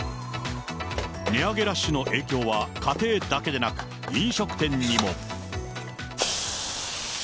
値上げラッシュの影響は、家庭だけでなく、飲食店にも。